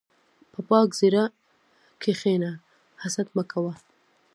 په پاک زړه کښېنه، حسد مه کوه.